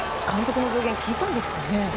監督の助言、聞いたんですかね？